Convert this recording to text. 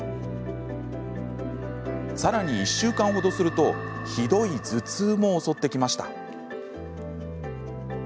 さらに、１週間ほどするとひどい頭痛も襲ってきました。